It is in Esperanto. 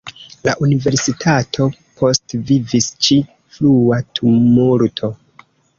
La Universitato postvivis ĉi frua tumulto.